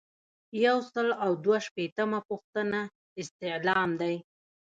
یو سل او دوه شپیتمه پوښتنه استعلام دی.